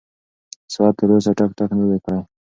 ساعت تر اوسه ټک ټک نه دی کړی.